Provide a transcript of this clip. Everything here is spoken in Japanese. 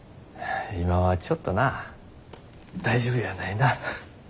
今はちょっとな大丈夫やないな。